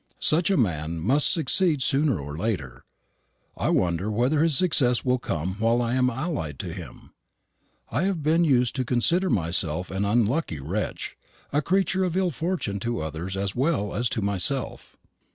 Such a man must succeed sooner or later. I wonder whether his success will come while I am allied to him. I have been used to consider myself an unlucky wretch, a creature of ill fortune to others as well as to myself.